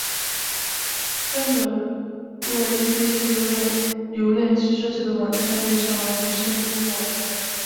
专门为这些浏览器设计的网站被称为无线入口网站。